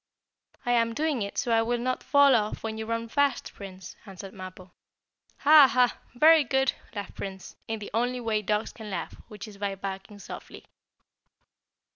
"I am doing it so I will not fall off when you run fast, Prince," answered Mappo. "Ha! Ha! Very good!" laughed Prince, in the only way dogs can laugh, which is by barking softly.